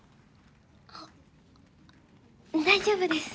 あっ大丈夫です